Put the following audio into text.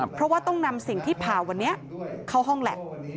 เพราะว่าต้องนำสิ่งที่ผ่าวันนี้เข้าห้องแล็บ